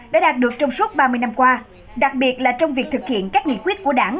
đã đạt được trong suốt ba mươi năm qua đặc biệt là trong việc thực hiện các nghị quyết của đảng